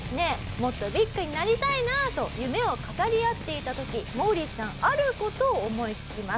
もっとビッグになりたいなあと夢を語り合っていた時モーリーさんある事を思いつきます。